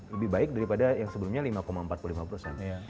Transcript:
lebih baik daripada yang sebelumnya lima empat puluh lima persen